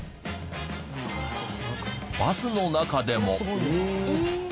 バスの中でも。